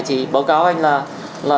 thì báo cáo anh là